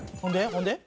ほんで？